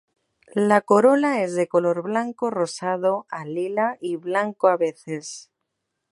La corola es de color blanco rosado a lila y blanco a veces.